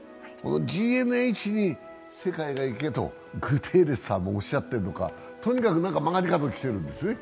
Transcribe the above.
ＧＮＨに世界がいけとグテーレスさんもおっしゃっているのかとにかく、曲がり角きてるんですね。